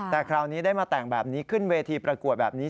แต่คราวนี้ได้มาแต่งแบบนี้ขึ้นเวทีประกวดแบบนี้